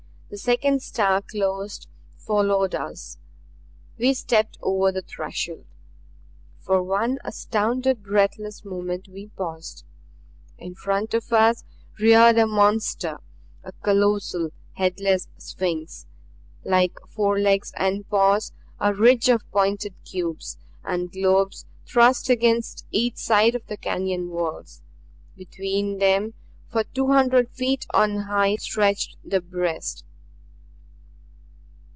The second star closed, followed us. We stepped over the threshold. For one astounded, breathless moment we paused. In front of us reared a monster a colossal, headless Sphinx. Like forelegs and paws, a ridge of pointed cubes, and globes thrust against each side of the canyon walls. Between them for two hundred feet on high stretched the breast.